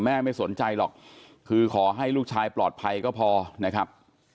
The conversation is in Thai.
ไม่สนใจหรอกคือขอให้ลูกชายปลอดภัยก็พอนะครับ